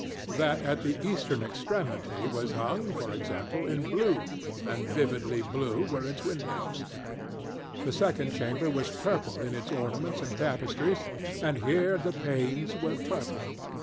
That at the eastern extremity was hung, for example, in blue—and vividly blue were its windows. The second chamber was purple in its ornaments and tapestries, and here the panes were purple.